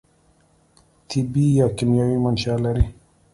طبي یا کیمیاوي منشأ لري.